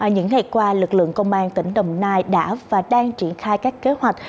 những ngày qua lực lượng công an tỉnh đồng nai đã và đang triển khai các kế hoạch